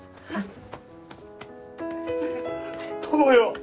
友よ！